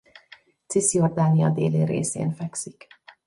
Ciszjordánia déli részén fekszik.